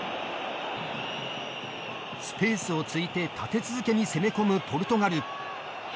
スペースを突いて立て続けに攻め込むポルトガル。